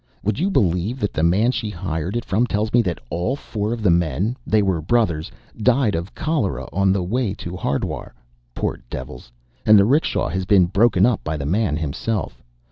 Would you believe that the man she hired it from tells me that all four of the men they were brothers died of cholera on the way to Hardwar, poor devils, and the 'rickshaw has been broken up by the man himself.